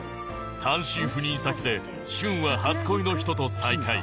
単身赴任先で舜は初恋の人と再会